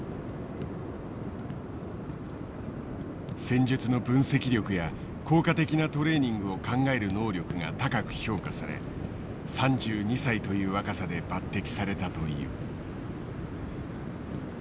戦術の分析力や効果的なトレーニングを考える能力が高く評価され３２歳という若さで抜てきされたという。